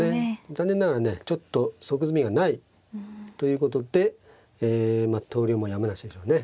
残念ながらねちょっと即詰みがない。ということでえ投了もやむなしでしょうね。